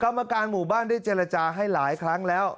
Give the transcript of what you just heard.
กรรมการหมู่บ้านได้เจรจาให้หลายครั้งแล้ว